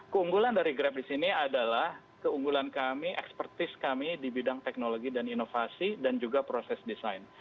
keunggulan dari grab di sini adalah keunggulan kami ekspertis kami di bidang teknologi dan inovasi dan juga proses desain